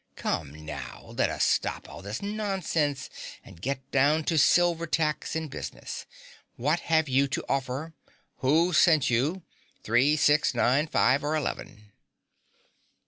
Come, now, let us stop all this nonsense and get down to silver tacks and business. What have you to offer? Who sent you Three, Six, Nine, Five or Eleven?"